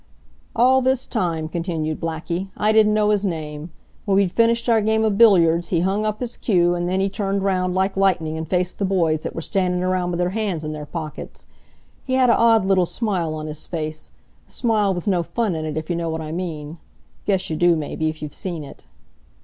"All this time," continued Blackie, "I didn't know his name. When we'd finished our game of billiards he hung up his cue, and then he turned around like lightning, and faced the boys that were standing around with their hands in their pockets. He had a odd little smile on his face a smile with no fun it, if you know what I mean. Guess you do, maybe, if you've seen it.